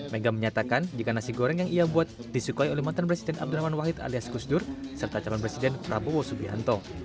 mega menyatakan jika nasi goreng yang ia buat disukai oleh mantan presiden abdurrahman wahid alias gusdur serta calon presiden prabowo subianto